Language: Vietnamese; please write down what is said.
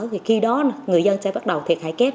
thì khi đó người dân sẽ bắt đầu thiệt hại kép